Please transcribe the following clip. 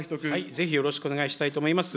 ぜひよろしくお願いしたいと思います。